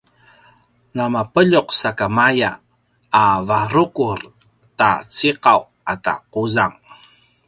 na mapeljuq sakamaya a varukur ta ciqaw ata quzang